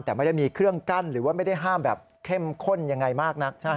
แต่ไม่ได้มีเครื่องกั้นหรือว่าไม่ได้ห้ามแบบเข้มข้นยังไงมากนัก